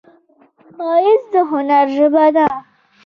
ښایست د هنر ژبه ده